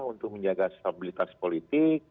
untuk menjaga stabilitas politik